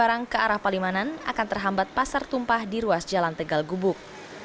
barang ke arah palimanan akan terhambat pasar tumpah di ruas jalan tegal gubuk